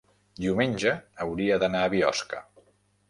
diumenge hauria d'anar a Biosca.